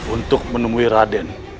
untuk menemui arden